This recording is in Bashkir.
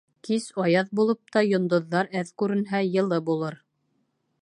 Кис аяҙ булып та, йондоҙҙар әҙ күренһә, йылы булыр.